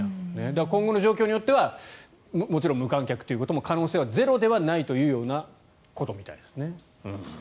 今後の状況によってもちろん無観客ということも可能性はゼロではないというようなことみたいですね。